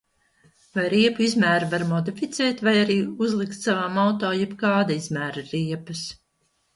Vai riepu izmēru var modificēt vai arī uzlikt savam auto jebkāda izmēra riepas?